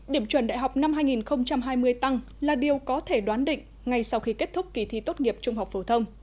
điểm chuẩn đại học năm hai nghìn hai mươi tăng là điều có thể đoán định ngay sau khi kết thúc kỳ thi tốt nghiệp trung học phổ thông